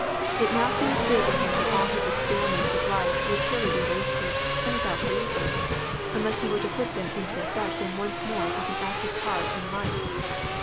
It now seemed clear to him that all his experiments of life would surely be wasted, and without reason, unless he were to put them into effect and once more take an active part in life.